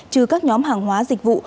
trừ các nhóm hàng hóa dịch vụ